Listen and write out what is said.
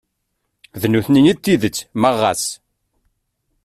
D nutni i d tidett ma ɣas.